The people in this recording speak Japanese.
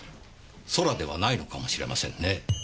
空ではないのかもしれませんね。